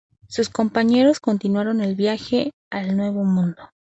Sus compañeros continuaron el viaje al Nuevo Mundo.